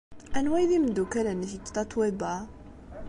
Anwa ay d imeddukal-nnek deg Tatoeba?